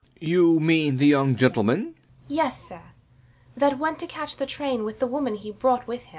B. B. You mean the young gentleman? THE MAID. Yes, sir: that went to catch the train with the woman he brought with him.